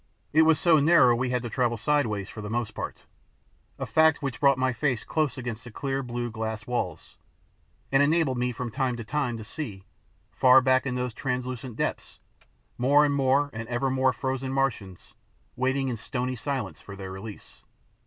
It was so narrow we had to travel sideways for the most part, a fact which brought my face close against the clear blue glass walls, and enabled me from time to time to see, far back in those translucent depths, more and more and evermore frozen Martians waiting in stony silence for their release.